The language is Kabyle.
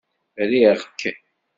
Riɣ-k!